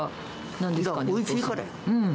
うん。